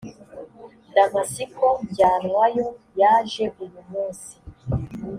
damasiko njyanwayo yajeuyumunsi